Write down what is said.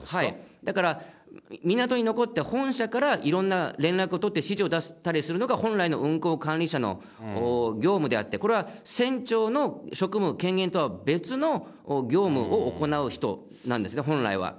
だから、港に残って、本社からいろんな連絡を取って指示を出したりするのが、本来の運航管理者の業務であって、これは船長の職務権限とは別の業務を行う人なんですね、本来は。